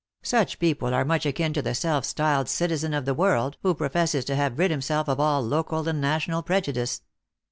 Such people are much akin to the self styled citizen of the world, who professes to have rid himself of all local and national prejudice.